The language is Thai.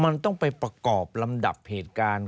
มันต้องไปประกอบลำดับเหตุการณ์